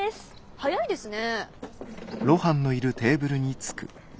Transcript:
早いですね。